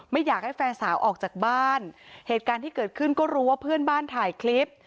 ไม่อยากให้แฟนสาวออกจากบ้านเหตุการณ์ที่เกิดขึ้นก็รู้ว่าเพื่อนบ้านถ่ายคลิป